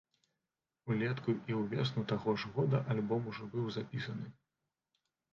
Улетку і ўвесну таго ж года альбом ужо быў запісаны.